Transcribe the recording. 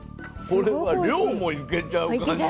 これは量もいけちゃう感じ。